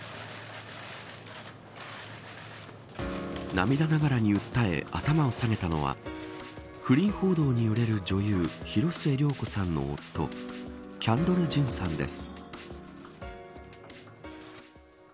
涙ながらに訴え頭を下げたのは不倫報道に揺れる女優広末涼子さんの夫キャンドル・ジュンさんです。